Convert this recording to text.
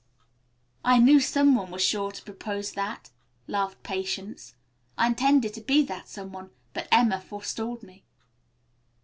"I knew some one was sure to propose that," laughed Patience. "I intended to be that some one, but Emma forestalled me."